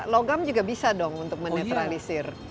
logam juga bisa dong untuk menetralisir